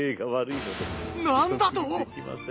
何だと！